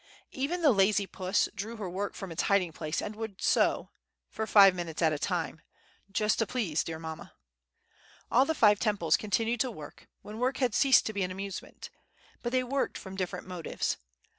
Even the "lazy puss" drew her work from its hiding place, and would sew—for five minutes at a time—"just to please dear mamma." All the five Temples continued to work, when work had ceased to be an amusement; but they worked from different motives.